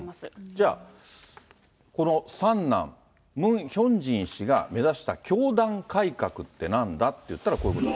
じゃあ、この三男、ムン・ヒョンジン氏が目指した教団改革ってなんだっていったら、こういうこと。